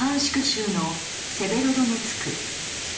州のセベロドネツク。